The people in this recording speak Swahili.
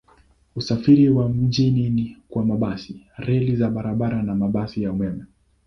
Usafiri wa mjini ni kwa mabasi, reli za barabarani na mabasi ya umeme.